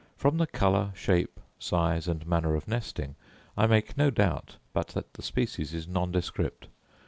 From the colour, shape, size, and manner of nesting, I make no doubt but that the species is nondescript.